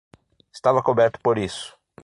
Estava coberto por isso.